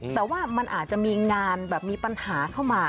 แต่ว่ามันอาจจะมีงานแบบมีปัญหาเข้ามา